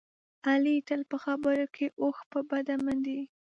علي تل په خبرو کې اوښ په بډه منډي.